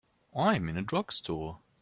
I'm in a drugstore.